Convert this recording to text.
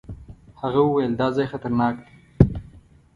هغه وويل دا ځای خطرناک دی.